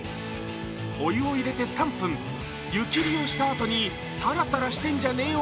お湯を入れて３分、湯切りをしたあとにタラタラしてんじゃねーよ